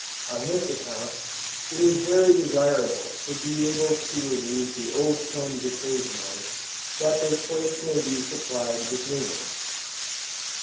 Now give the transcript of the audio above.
On this account, it is very desirable to be able to remove the old combs occasionally, that their place may be supplied with new ones.